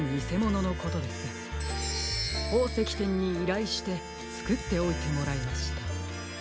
ほうせきてんにいらいしてつくっておいてもらいました。